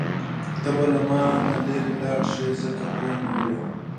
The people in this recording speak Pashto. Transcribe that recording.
ته به له مانه لرې لاړه شې ځکه پوه نه وې.